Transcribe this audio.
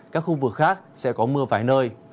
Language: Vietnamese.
các khu vực khác sẽ có mưa vài nơi